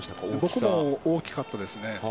僕も大きかったですね。